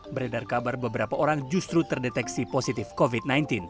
beredar kabar beberapa orang justru terdeteksi positif covid sembilan belas